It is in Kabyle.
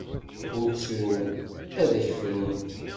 Ur ttru. Ad akk frunt.